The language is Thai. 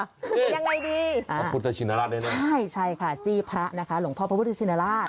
คือยังไงดีพระพุทธชินราชด้วยนะใช่ใช่ค่ะจี้พระนะคะหลวงพ่อพระพุทธชินราช